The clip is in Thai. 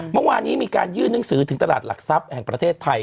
เมื่อวานนี้มีการยื่นหนังสือถึงตลาดหลักทรัพย์แห่งประเทศไทย